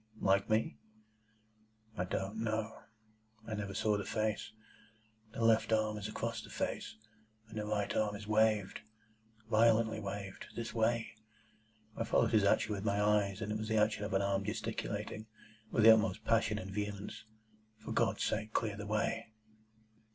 "Like me?" "I don't know. I never saw the face. The left arm is across the face, and the right arm is waved,—violently waved. This way." I followed his action with my eyes, and it was the action of an arm gesticulating, with the utmost passion and vehemence, "For God's sake, clear the way!"